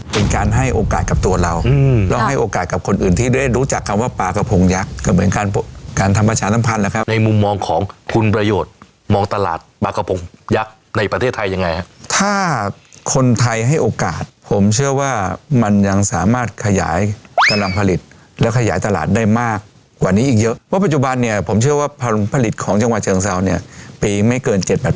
ปากกระพงยักษ์ก็เป็นการการทำประชาน้ำพันธุ์นะครับในมุมมองของคุณประโยชน์มองตลาดปากกระพงยักษ์ในประเทศไทยยังไงถ้าคนไทยให้โอกาสผมเชื่อว่ามันยังสามารถขยายกำลังผลิตและขยายตลาดได้มากกว่านี้อีกเยอะเพราะปัจจุบันเนี่ยผมเชื่อว่าผลิตของจังหวัดเชิงเศร้าเนี่ยปีไม่เกินเจ็ด